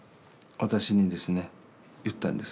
私にですね言ったんです。